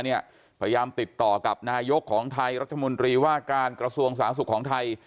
พยายามติดต่อกับนายกของไทยรัฐมนตรีว่าการกระทรวงสาธารณสุขของไทย